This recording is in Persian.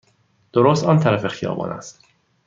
درست آن طرف خیابان است.